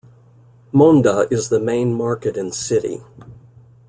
Mondha is the main market in city.